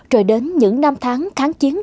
rồi đến những năm tháng kháng chiến